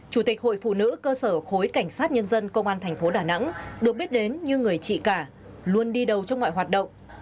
chủ tịch hội phụ nữ cơ sở khối cảnh sát nhân dân công an thành phố đà nẵng được biết đến như người chị cả luôn đi đầu trong ngoại hoạt động